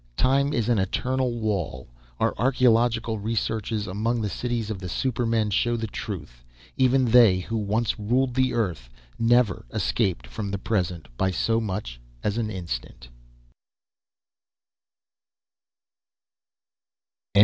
Time is an Eternal Wall. Our archeological researches among the cities of the supermen show the truth. Even they, who once ruled Earth, never escaped from the present by so much as an instant...."